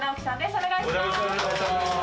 お願いします。